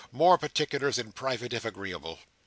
More particulars in private, if agreeable."